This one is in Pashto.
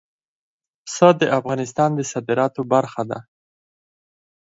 پسه د افغانستان د صادراتو برخه ده.